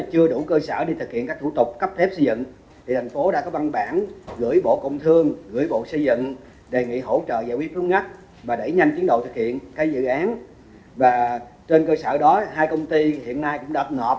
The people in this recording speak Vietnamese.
trên cơ sở đó hai công ty hiện nay cũng đã ập ngọt hồ sơ thẩm định dự án tại bộ xây dựng